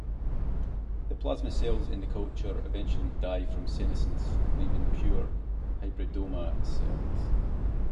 The plasma cells in the culture eventually die from senesence, leaving pure hybridoma cells.